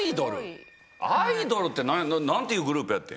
アイドルってなんていうグループやってん？